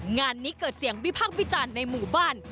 งานนี้เกิดเสียงวิพากษ์วิจารณ์ในหมู่บ้าน